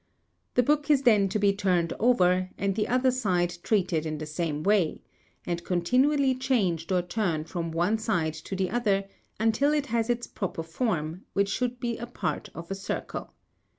The book is then to be turned over, and the other side treated in the same way, and continually |47| changed or turned from one side to the other until it has its proper form, which should be a part of a circle.